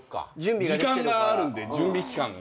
時間があるんで準備期間が。